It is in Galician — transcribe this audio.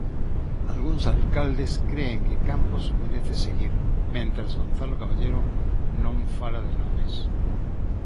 Algúns alcaldes cren que Campos merece seguir, mentres Gonzalo Caballero non fala de nomes.